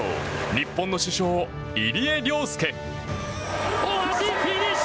日本の主将、入江陵介選手。